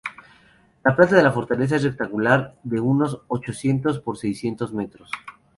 La planta de la fortaleza es rectangular, de unos ochocientos por seiscientos metros.